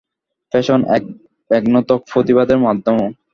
Fashion এখন ব্যঙ্গাত্মক প্রতিবাদেরও মাধ্যমও।